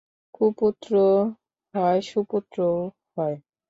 কুপুত্রও হয় সুপুত্রও হয়।